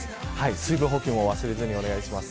水分補給も忘れずにお願いします。